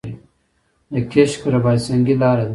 د کشک رباط سنګي لاره ده